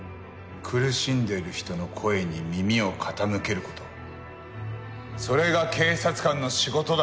「苦しんでいる人の声に耳を傾けること」「それが警察官の仕事だ」